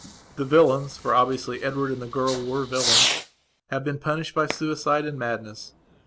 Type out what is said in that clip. The villainsfor obviously Edward and the girl were villainshave been punished by suicide and madness.